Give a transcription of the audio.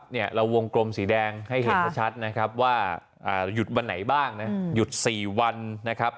เนี่ยเราวงกลมสีแดงให้เห็นชัดนะครับว่าหยุดวันไหนบ้างนะหยุด๔วันนะครับ